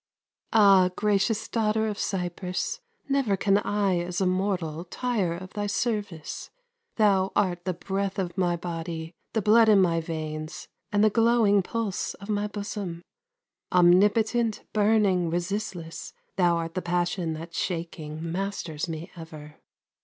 Ah, gracious Daughter of Cyprus, Never can I as a mortal Tire of thy service. Thou art the breath of my body, The blood in my veins, and the glowing Pulse of my bosom. Omnipotent, burning, resistless, Thou art the passion that shaking Masters me ever.